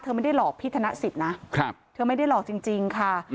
ไม่ได้หลอกพี่ธนสิทธิ์นะเธอไม่ได้หลอกจริงค่ะ